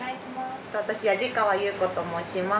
私矢路川結子と申します。